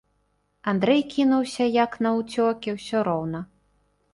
Андрэй кінуўся, як наўцёкі ўсё роўна.